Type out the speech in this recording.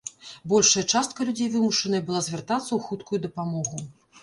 Большая частка людзей вымушаная была звяртацца ў хуткую дапамогу.